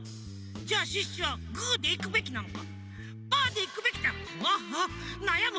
じゃあシュッシュはグーでいくべきなのかパーでいくべきかなやむ！